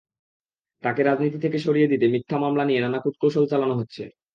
তাঁকে রাজনীতি থেকে সরিয়ে দিতে মিথ্যা মামলা দিয়ে নানা কূটকৌশল চালানো হচ্ছে।